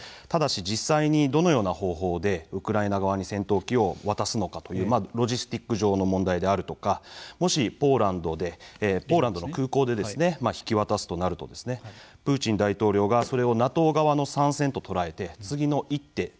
ただし、実際にどのような方法でウクライナ側に戦闘機を渡すのかというロジスティック上の問題であるとかもしポーランドでポーランドの空港で引き渡すとなるとプーチン大統領がそれをＮＡＴＯ側の参戦と捉えて次の一手